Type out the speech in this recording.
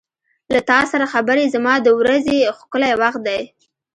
• له تا سره خبرې زما د ورځې ښکلی وخت دی.